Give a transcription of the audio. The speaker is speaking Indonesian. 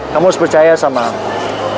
kamu harus percaya sama aku